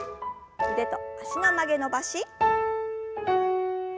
腕と脚の曲げ伸ばし。